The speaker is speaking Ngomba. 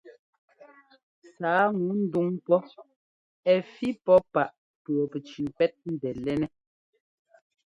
Sǎa ŋu ndúŋ pɔ́ ɛ́ fí pɔ́ páꞌ pʉɔpɛcʉʉ pɛ́t ńdɛ́lɛ́nɛ́.